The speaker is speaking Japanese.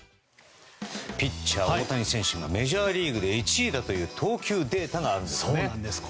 ピッチャー大谷選手がメジャーリーグで１位だという投球データがあるんですね。